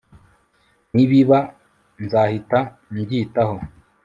nibiba nzahita mbyitaho